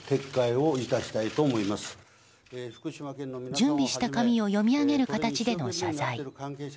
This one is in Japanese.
準備した紙を読み上げる形での謝罪。